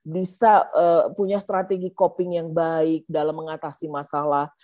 bisa punya strategi coping yang baik dalam mengatasi masalah